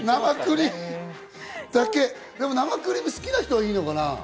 でも生クリーム好きな人はいいのかな？